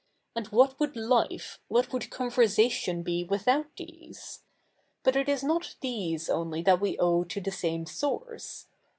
And what would life, what would co7iversation be without these ? But it ■ is not these only that ive owe to the same sou7re.